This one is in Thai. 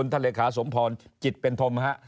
ท่านเลขาสมพรจิตเป็นธมฮะ